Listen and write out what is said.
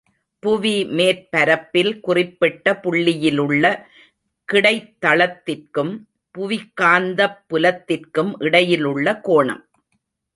புவி மேற்பரப்பில் குறிப்பிட்ட புள்ளியிலுள்ள கிடைத் தளத்திற்கும் புவிக்காந்தப் புலத்திற்கும் இடையிலுள்ள கோணம்.